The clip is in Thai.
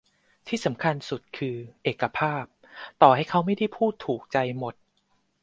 ที่สำคัญสุดคือ "เอกภาพ" ต่อให้เขาไม่ได้พูดถูกใจหมด